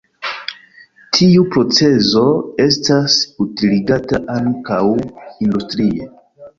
Tiu procezo estas utiligata ankaŭ industrie.